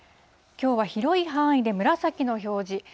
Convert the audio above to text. きょうは広い範囲で紫の表示。